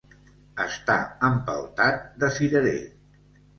Estar empeltat de cirerer.